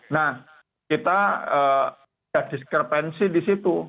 nah kita ada diskrepensi di situ